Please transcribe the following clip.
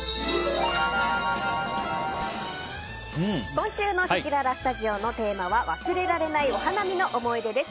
今週のせきららスタジオのテーマは忘れられないお花見の思い出です。